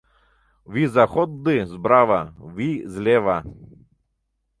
— Ви заходты з брава, ви з лева.